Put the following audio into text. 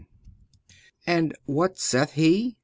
And what saith He?